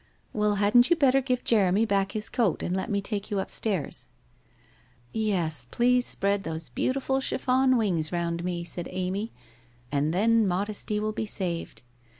' Well, hadn't you better give Jeremy back his coat and let me take you upstairs ?' 'Yes, please spread those beautiful chiffon wings round me,' said Amy, ' and then modesty will be saved.